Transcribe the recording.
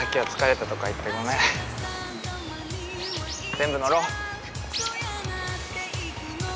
全部乗ろう。